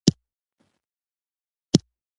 هره ورځ لوبې کوم